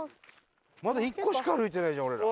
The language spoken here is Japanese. まだ１個しか歩いてないじゃん